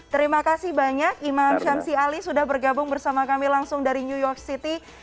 terima kasih banyak imam syamsi ali sudah bergabung bersama kami langsung dari new york city